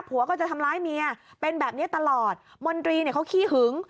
ผัวก็จะทำร้ายเมียเป็นแบบนี้ตลอดมนตรีเนี่ยเขาขี้หึง